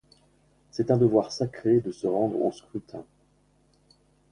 C'est un devoir sacré de se rendre au scrutin.